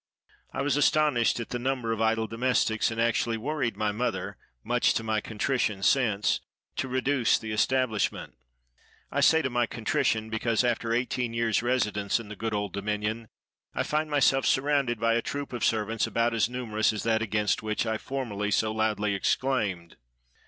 I was astonished at the number of idle domestics, and actually worried my mother, much to my contrition since, to reduce the establishment. I say to my contrition, because, after eighteen years' residence in the good Old Dominion, I find myself surrounded by a troop of servants about as numerous as that against which I formerly so loudly exclaimed.